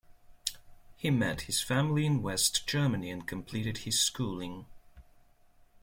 He met his family in West Germany and completed his schooling.